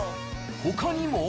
他にも。